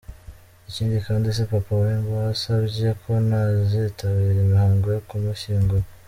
Ikindi kandi, si Papa Wemba wasabye ko ntazitabira imihango yo kumushyingura.